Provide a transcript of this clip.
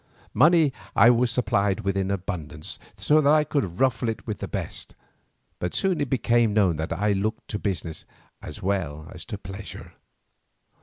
Money I was supplied with in abundance so that I could ruffle it with the best, but soon it became known that I looked to business as well as to pleasure.